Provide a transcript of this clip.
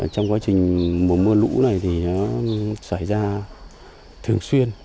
trong quá trình mùa mưa lũ này thì nó xảy ra thường xuyên